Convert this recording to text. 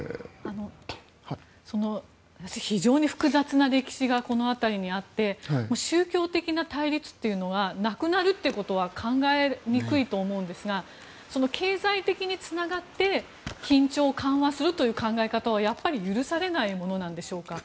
その非常に複雑な歴史がこの辺りにあって宗教的な対立というのがなくなるということは考えにくいと思うんですが経済的につながって緊張を緩和するという考え方は許されないものなんでしょうか？